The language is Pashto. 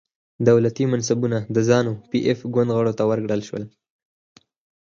دولتي منصبونه د زانو پي ایف ګوند غړو ته ورکړل شول.